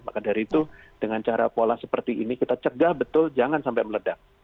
maka dari itu dengan cara pola seperti ini kita cegah betul jangan sampai meledak